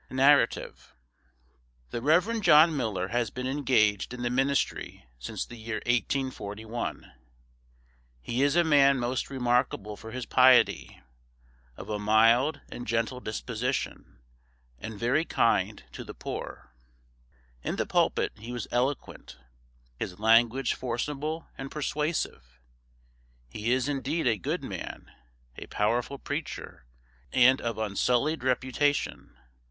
NARRATIVE. The Rev. John Miller has been engaged in the ministry since the year 1841. He is a man most remarkable for his piety, of a mild and gentle disposition, and very kind to the poor. In the pulpit he was eloquent; his language forcible and persuasive. He is indeed a good man, a powerful preacher, and of unsullied reputation.